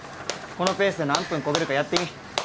このペースで何分こげるかやってみ。